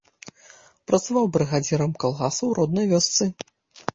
Працаваў брыгадзірам калгаса ў роднай вёсцы.